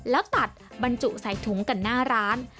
แล้วตัดบรรจุใส่ถุงกันหน้าร้าน